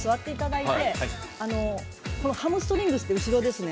ハムストリングス後ろですね。